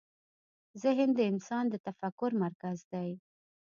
ذهن د انسان د تفکر مرکز دی.